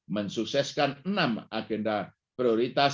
mensukseskan enam agenda prioritas